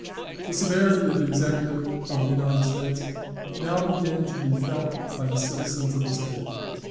The severity of the Executive of the United States now began to be felt by the citizens of the State.